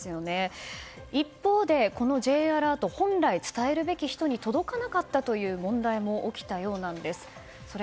一方で、このＪアラート本来伝えるべき人に届かなかったという問題も起きたようなんです。